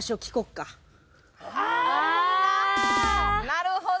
なるほどな。